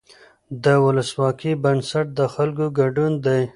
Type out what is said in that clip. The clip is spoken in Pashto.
د ولسواکۍ بنسټ د خلکو ګډون دی